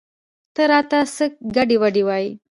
ته راته څه ګډې وګډې وايې؟